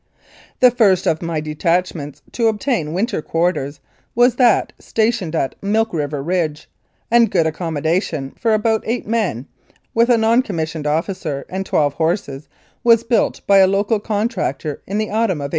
The first of my detachments to obtain winter quarters was that stationed at Milk River Ridge, and good accommodation for about eight men, with a non com missioned officer and twelve horses, was built by a local contractor in the autumn of 1889.